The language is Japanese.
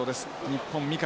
日本三上。